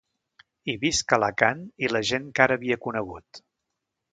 I visca Alacant i la gent que ara havia conegut!